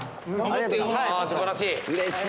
すばらしい。